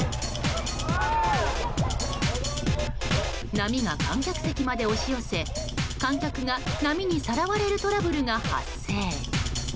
波が観客席まで押し寄せ、観客が波にさらわれるトラブルが発生。